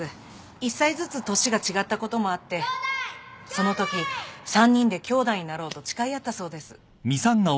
１歳ずつ年が違ったこともあってそのとき３人できょうだいになろうと誓い合ったそうです。